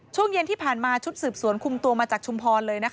ช่วงเย็นที่ผ่านมาชุดสืบสวนคุมตัวมาจากชุมพรเลย